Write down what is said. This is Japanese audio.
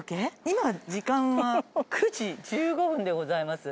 今時間は９時１５分でございます。